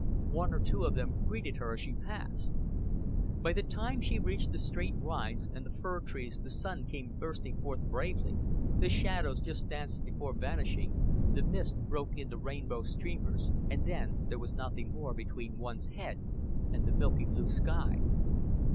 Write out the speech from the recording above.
One or two of them greeted her as she passed. By the time she reached the straight rides and the fir trees the sun came bursting forth bravely, the shadows just danced before vanishing, the mist broke into rainbow streamers, and then there was nothing more between one's head and the milky blue sky.